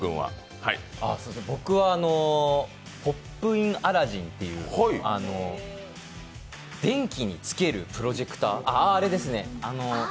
僕はポップイン・アラジンっていう電気につけるプロジェクター。